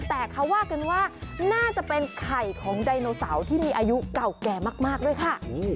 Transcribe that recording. แต่เขาว่ากันว่าน่าจะเป็นไข่ของไดโนเสาร์ที่มีอายุเก่าแก่มากด้วยค่ะ